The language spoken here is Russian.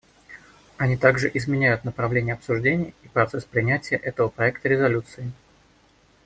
Они также изменяют направление обсуждений и процесс принятия этого проекта резолюции.